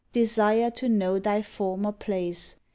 Desire to know thy former place.